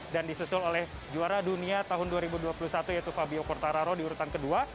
dan disusul oleh juara dunia tahun dua ribu dua puluh satu yaitu fabio cortararo di urutan kedua